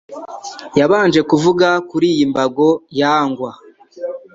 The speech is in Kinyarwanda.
yabanje kuvuga kuriyi mbago yangwa